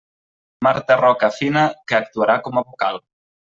Marta Roca Fina, que actuarà com a vocal.